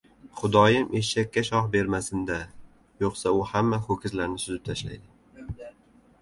• Xudoyim eshakka shox bermasin-da ― yo‘qsa u hamma ho‘kizlarni suzib tashlaydi.